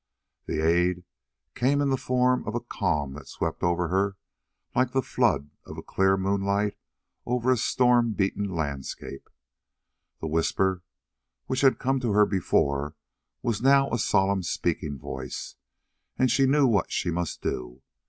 That aid came in the form of a calm that swept on her like the flood of a clear moonlight over a storm beaten landscape. The whisper which had come to her before was now a solemn speaking voice, and she knew what she must do.